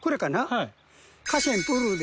はい。